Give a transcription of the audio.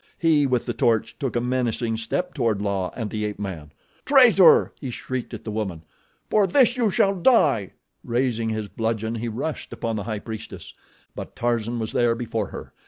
He with the torch took a menacing step toward La and the ape man. "Traitor!" He shrieked at the woman. "For this you too shall die!" Raising his bludgeon he rushed upon the High Priestess; but Tarzan was there before her.